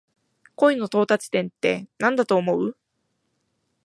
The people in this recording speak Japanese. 恋の到達点ってなんだと思う？